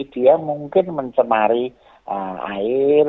dia mungkin mencemari air